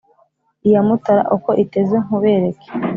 Iya Mutara uko iteze nkubereke